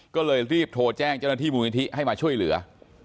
ก็เลยรีบโทรแจ้งเจ้าหน้าที่มูลนิธิให้มาช่วยเหลือ